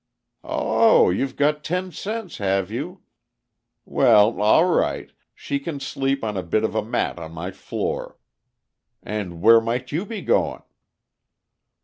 "Oh, you've got ten cents, have you? Well, all right, she can sleep on a bit of a mat on my floor. And where might you be goin'?"